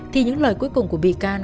thì những lời cuối cùng của bị can